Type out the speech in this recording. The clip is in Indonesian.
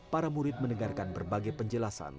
para murid mendengarkan berbagai penjelasan